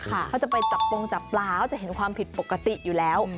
เขาจะไปจับปงจับปลาเขาจะเห็นความผิดปกติอยู่แล้ว